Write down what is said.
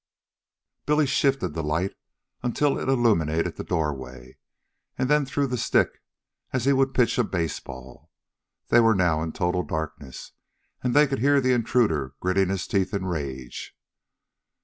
Billy shifted the light until it illuminated the doorway, and then threw the stick as he would pitch a baseball. They were now in total darkness, and they could hear the intruder gritting his teeth in rage.